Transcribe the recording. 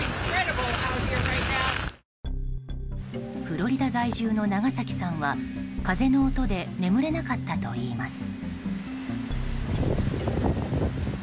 フロリダ在住の長崎さんは風の音で眠れなかったといいます。